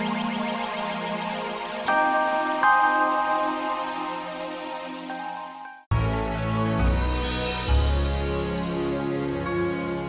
jadi jika terjadi yang sebarang didnatang ini terjadi tentang miesz supportedzia memutuskan